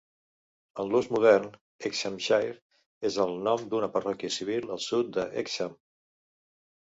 En l'ús modern, Hexhamshire és el nom d'una parròquia civil al sud d'Hexham.